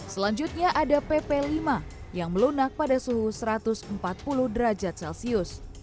selanjutnya ada pp lima yang melunak pada suhu satu ratus empat puluh derajat celcius